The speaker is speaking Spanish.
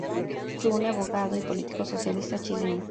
Fue un abogado y político socialista chileno.